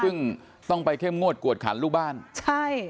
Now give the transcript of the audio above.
ซึ่งต้องไปเข้มงวดกวดขันลูกบ้านใช่